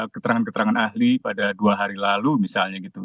keterangan keterangan ahli pada dua hari lalu misalnya gitu